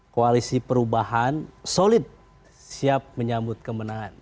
koalisi perubahan solid siap menyambut kemenangan